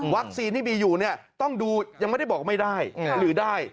ที่มีอยู่เนี่ยต้องดูยังไม่ได้บอกไม่ได้หรือได้